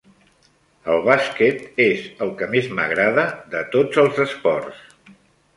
El bàsquet és el que més m'agrada de tots els esports.